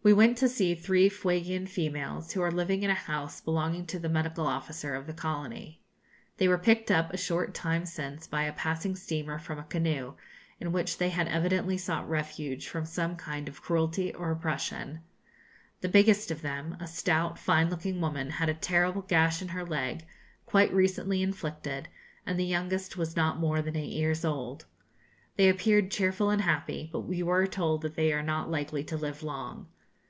We went to see three Fuegian females, who are living in a house belonging to the medical officer of the colony. They were picked up a short time since by a passing steamer from a canoe, in which they had evidently sought refuge from some kind of cruelty or oppression. The biggest of them, a stout fine looking woman, had a terrible gash in her leg, quite recently inflicted, and the youngest was not more than eight years old. They appeared cheerful and happy, but we were told that they are not likely to live long.